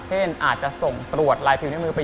เช่นอาจจะส่งตรวจลายพิมพ์เนื้อมือไป